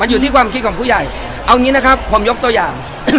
เอางี้นะครับผมยกตัวอย่าง